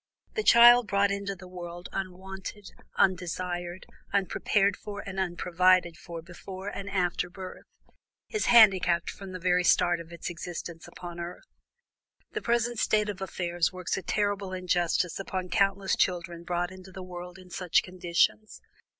The child brought into the world, unwanted, undesired, unprepared for, and unprovided for before and after birth, is handicapped from the very start of its existence upon earth. The present state of affairs works a terrible injustice upon countless children brought into the world in such conditions.